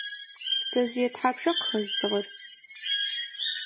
Пцэжъые тхьапша къыхэжъу дзыгъэр?